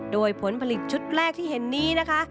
โดยผลผลิตชุดแรกที่เห็นนี้นะคะ